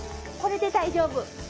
これで大丈夫。